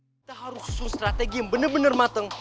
kita harus susun strategi yang bener bener mateng